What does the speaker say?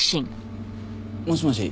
もしもし。